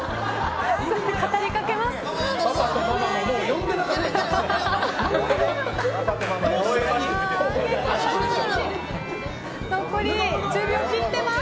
語り掛けます。